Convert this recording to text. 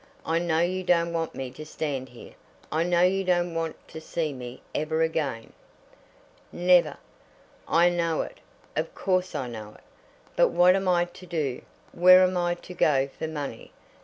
I know you don't want me to stand here. I know you don't want to see me ever again." "Never." "I know it. Of course I know it. But what am I to do? Where am I to go for money?